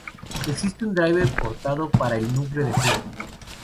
Existe un driver portado para el núcleo de Hurd.